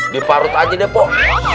diparut aja deh pok